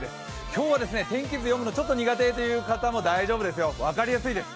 今日は天気図を読むのはちょっと苦手という方も大丈夫ですよ、分かりやすいです。